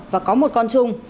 và có một con chung